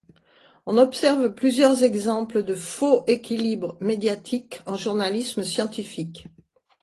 On observe plusieurs exemples de faux équilibre médiatique en journalisme scientifique.